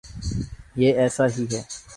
یہ ایسا ہی ہے۔